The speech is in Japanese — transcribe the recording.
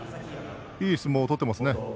いい相撲を取っていますね。